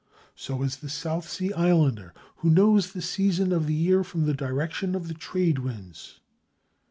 So is the South Sea Islander, who knows the season of the year from the direction of the trade winds.